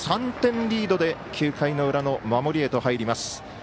３点リードで９回の裏の守りへと入ります。